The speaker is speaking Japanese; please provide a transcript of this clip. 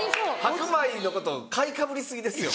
白米のことを買いかぶり過ぎですよ。